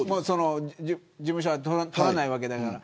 事務所は取らないわけだから。